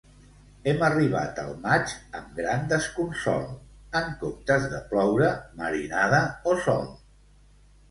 Hem arribat al maig amb gran desconsol; en comptes de ploure, marinada o sol.